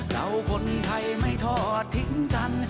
เราคนไทยไม่ทอดทิ้งกัน